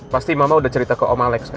pasti mama udah cerita ke om alex